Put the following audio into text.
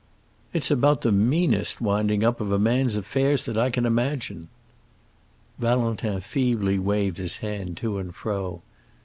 It's about the meanest winding up of a man's affairs that I can imagine!" Valentin feebly waved his hand to and fro.